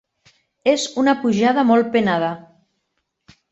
És una pujada molt penada.